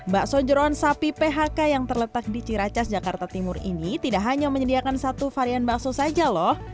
bakso jerawan sapi phk yang terletak di ciracas jakarta timur ini tidak hanya menyediakan satu varian bakso saja loh